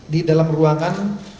di dalam ruangan